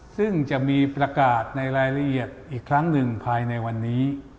ซึ่งจะมีประกาศในรายละเอียดอีกครั้งหนึ่งภายในวันนี้